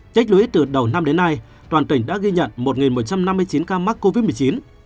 trách lũy từ đầu năm đến nay toàn tỉnh đã ghi nhận một một trăm năm mươi chín ca mắc covid một mươi chín